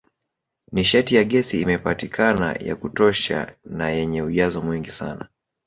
Nishati ya gesi imepatikana ya kutosha na yenye ujazo mwingi sana